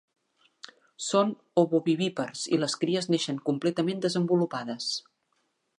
Són ovovivípars i les cries neixen completament desenvolupades.